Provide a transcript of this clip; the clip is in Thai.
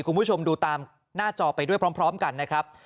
คุณผู้ชมดูตามหน้าจอไปด้วยพร้อมกันนะครับ